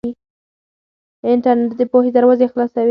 انټرنيټ د پوهې دروازې خلاصوي.